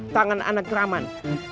tangan anak keraman